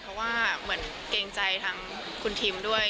เพราะว่าเหมือนเกรงใจทางคุณทิมด้วย